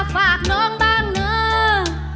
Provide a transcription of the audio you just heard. ฝากน้องบางเนื้อ